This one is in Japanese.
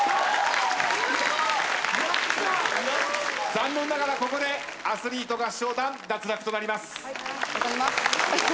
残念ながらここでアスリート合唱団脱落となります。